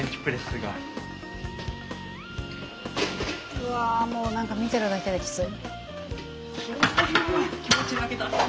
うわもう何か見てるだけできつい。